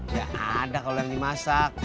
ya ada kalau yang dimasak